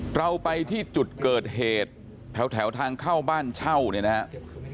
เราไปที่จุดเกิดเหตุแถวทางเข้าบ้านเช่าเนี่ยนะครับ